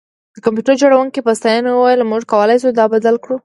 د کمپیوټر جوړونکي په ستاینه وویل موږ کولی شو دا بدل کړو